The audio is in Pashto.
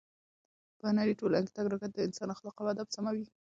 په هنري ټولنو کې تګ راتګ د انسان اخلاق او ادب سموي.